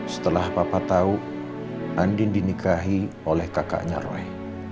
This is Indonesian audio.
setelah papa tahu andin dinikahi oleh kakaknya roy